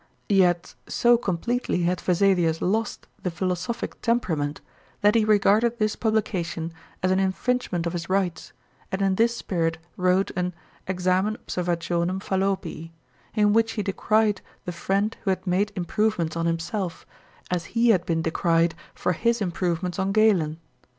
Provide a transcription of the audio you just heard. Yet so completely had Vesalius lost the philosophic temperament that he regarded this publication as an infringement of his rights, and in this spirit wrote an "Examen Observationum Fallopii," in which he decried the friend who had made improvements on himself, as he had been decried for his improvements on Galen.